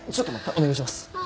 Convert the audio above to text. お願いします。